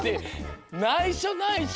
ないしょないしょ！